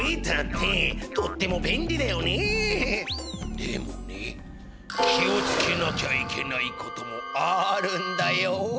でもね気をつけなきゃいけない事もあるんだよ。